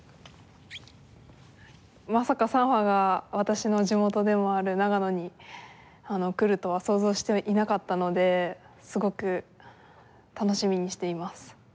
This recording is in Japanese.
まさかサンファが私の地元でもある長野に来るとは想像していなかったのですごく楽しみにしています。